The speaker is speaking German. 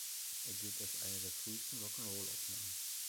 Er gilt als eine der frühesten Rock’n’Roll-Aufnahmen.